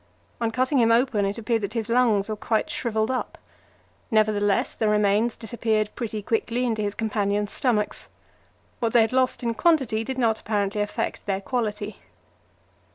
On cutting him open it appeared that his lungs were quite shrivelled up; nevertheless, the remains disappeared pretty quickly into his companions' stomachs. What they had lost in quantity did not apparently affect their quality.